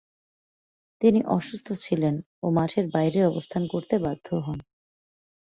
তিনি অসুস্থ ছিলেন ও মাঠের বাইরে অবস্থান করতে বাধ্য হন।